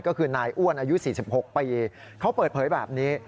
ก็คือนายอ้วนอายุ๔๖ปีเขาเปิดเผยแบบนี้